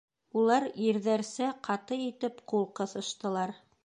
Улар ирҙәрсә ҡаты итеп ҡул ҡыҫыштылар.